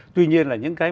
tuy nhiên là những cái